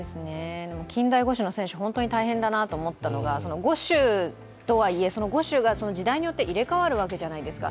近代五種の選手、本当に大変だなと思ったのは、５種とはいえ、その５種が時代によって入れ代わるわけじゃないですか。